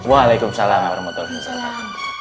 waalaikumsalam warahmatullahi wabarakatuh